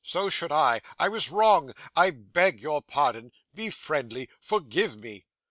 So should I. I was wrong. I beg your pardon. Be friendly. Forgive me.